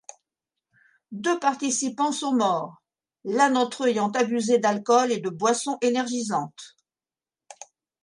Deux participants sont morts, l'un d'entre eux ayant abusé d'alcool et de boissons énergisantes.